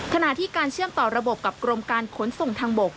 ขณะที่การเชื่อมต่อระบบกับกรมการขนส่งทางบก